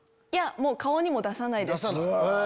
いやもう顔にも出さないです。